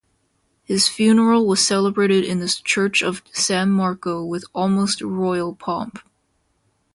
His funeral was celebrated in the church of San Marco with almost royal pomp.